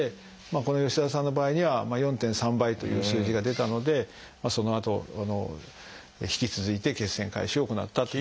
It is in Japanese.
この吉澤さんの場合には４．３倍という数字が出たのでそのあと引き続いて血栓回収を行ったという。